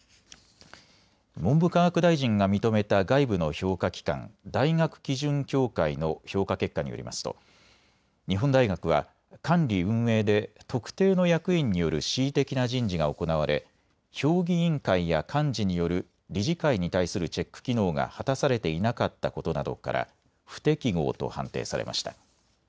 文部科学大臣が認めた外部の評価機関、大学基準協会の評価結果によりますと日本大学は管理運営で特定の役員による恣意的な人事が行われ、評議員会や監事による理事会に対するチェック機能が果たされていなかったことなどから不適合と判定されました。